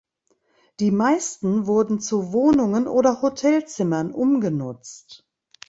Die meisten wurden zu Wohnungen oder Hotelzimmern umgenutzt.